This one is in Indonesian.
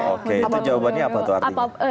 oke itu jawabannya apa tuh artinya